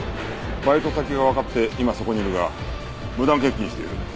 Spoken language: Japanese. バイト先がわかって今そこにいるが無断欠勤している。